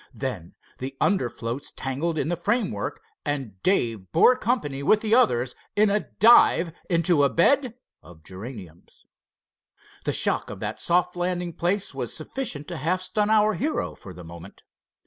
Then the under floats tangled in the frame work, and Dave bore company with the others in a dive into a bed of geraniums. The shock of even that soft landing place was sufficient to half stun our hero for the moment.